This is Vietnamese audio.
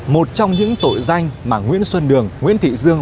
một trong những tội danh mà nguyễn xuân đường nguyễn thị dương